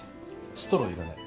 ストローいらない。